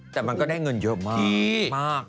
แต่มันก็ได้เงินเยอะมาก